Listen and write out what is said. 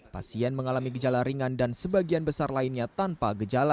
pasien mengalami gejala ringan dan sebagian besar lainnya tanpa gejala